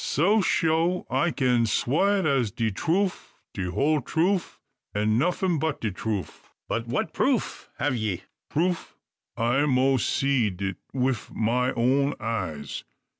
"So shoo I kin swa it as de troof, de whole troof, an' nuffin but de troof." "But what proof have ye?" "Proof! I moas seed it wif ma own eyes.